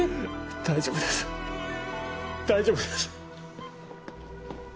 大丈夫です大丈夫です。